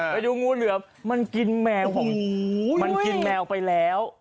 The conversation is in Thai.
ไปดูงูเหลือมมันกินแมวไปแล้ว